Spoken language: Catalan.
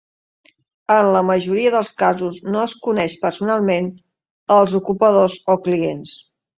En la majoria dels casos no es coneix personalment als ocupadors o clients.